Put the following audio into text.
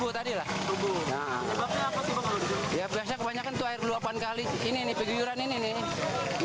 tidak bisa tapi siap mogok